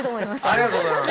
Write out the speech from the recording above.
ありがとうございます。